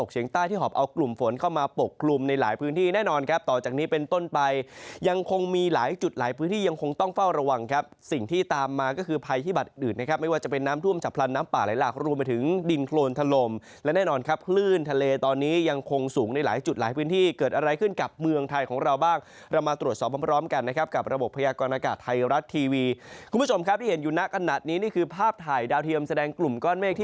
หรือจะเป็นน้ำทุ่มจากพลันน้ำป่าไหลลากรวมไปถึงดินโครนทะลมและแน่นอนขลื่นทะเลตอนนี้ยังคงสูงในหลายจุดหลายพื้นที่เกิดอะไรขึ้นกับเมืองไทยของเราเรามีตัวมาตรวจสอบพร้อมกันกับระบบพยากรณากาศไทยรัตน์ทีวีคุณผู้ชมที่เห็นอยู่หน้าขณะนี้นี่คือภาพถ่ายดาวเทียมแสดงกลุ่มก้อนเมฆท